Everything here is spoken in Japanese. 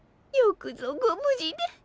よくぞご無事で。